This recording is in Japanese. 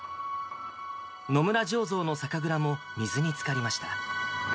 野村醸造の酒蔵も水につかりました。